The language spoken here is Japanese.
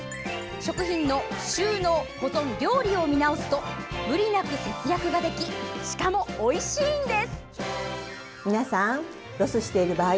食品の収納、保存、料理を見直すと無理なく節約ができしかも、おいしいんです。